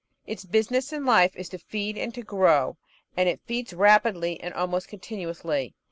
Its business in life is to feed and to grow, and it feeds rapidly and almost continuously.